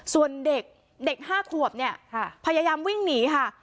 ส่วนเด็ก๕ขวบเนี่ยพยายามวิ่งหนีค่ะ